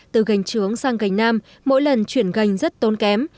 từ gành trướng sang gành nam mỗi lần chuyển gành rất tốn kém